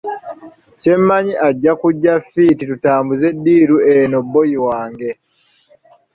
Kye mmanyi ajja kujja fiiti tutambuze ddiiru eno bboyi wange.